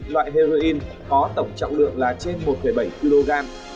loại heroin có tổng trọng lượng là trên một bảy kg